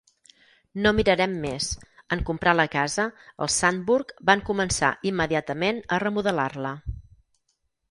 No mirarem més. En comprar la casa, els Sandburg van començar immediatament a remodelar-la.